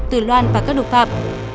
từ loan và các độc phạm